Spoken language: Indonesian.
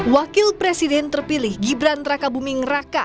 wakil presiden terpilih gibran trakabuming raka